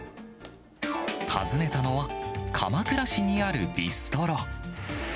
訪ねたのは、鎌倉市にあるビストロ。